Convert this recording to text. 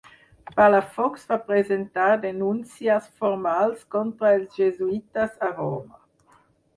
Palafox va presentar denúncies formals contra els jesuïtes a Roma.